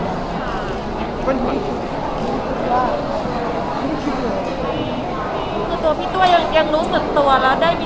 อาจจะเนื่องจากว่าหรือหวังว่าจะเชื่อมศักดิ์